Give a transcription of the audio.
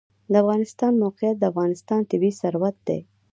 د افغانستان موقعیت د افغانستان طبعي ثروت دی.